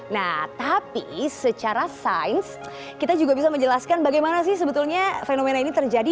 nah tapi secara sains kita juga bisa menjelaskan bagaimana sih sebetulnya fenomena ini terjadi